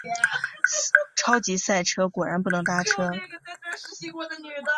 超级塞车，果然不能搭车